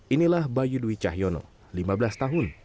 inilah bayu dwi cahyono lima belas tahun